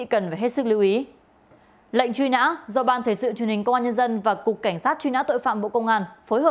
kính chào quý vị và các bạn